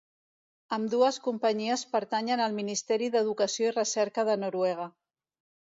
Ambdues companyies pertanyen al Ministeri d'Educació i Recerca de Noruega.